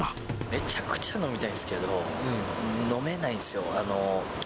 めちゃくちゃ飲みたいですけれども、飲めないんですよ。